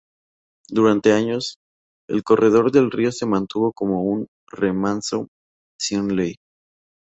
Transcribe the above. Durante años, el corredor del río se mantuvo como un remanso sin ley.